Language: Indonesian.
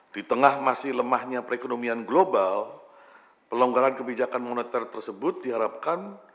di tengah masih lemahnya perekonomian global pelonggaran kebijakan moneter tersebut diharapkan